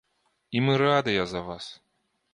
І мы радыя за вас.